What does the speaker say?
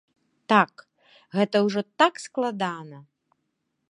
Так, гэта ўжо так складана!